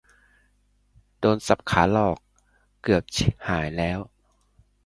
โดน สับขาหลอก เกือบชิบหายแล้ว